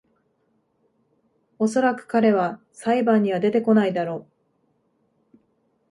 おそらく彼は裁判には出てこないだろ